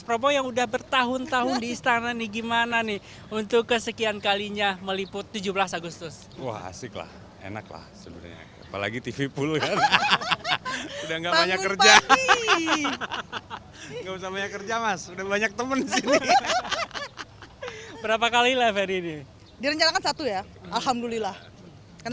kru yang akan menempatkan kursi di belakang layar